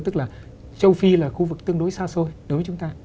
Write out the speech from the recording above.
tức là châu phi là khu vực tương đối xa xôi đối với chúng ta